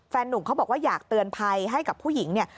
หนุ่มเขาบอกว่าอยากเตือนภัยให้กับผู้หญิงเนี่ย